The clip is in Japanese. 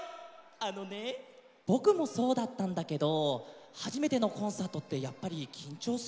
あのねぼくもそうだったんだけどはじめてのコンサートってやっぱりきんちょうするでしょ。